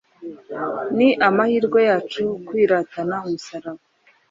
Ni amahirwe yacu kwiratana umusaraba,